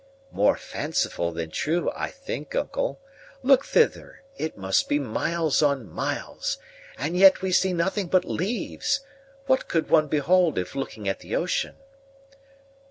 "More fanciful than true, I think, uncle. Look thither; it must be miles on miles, and yet we see nothing but leaves! what could one behold, if looking at the ocean?"